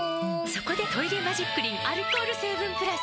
そこで「トイレマジックリン」アルコール成分プラス！